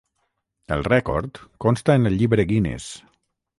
El rècord consta en el llibre Guinness.